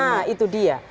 nah itu dia